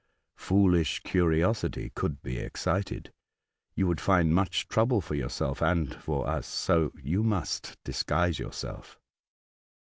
Foolish curiosity would be excited ; you would find much trouble for yourself and for us, so you must disguise yourself."